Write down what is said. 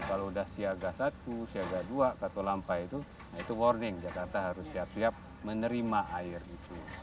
kalau sudah siaga satu siaga dua katolampa itu itu warning jakarta harus siap siap menerima air itu